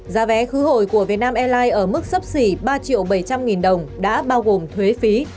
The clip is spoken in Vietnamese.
giá vé khứ hồi của vietnam airlines ở mức sấp xỉ ba triệu bảy trăm linh nghìn đồng đã bao gồm thuế phí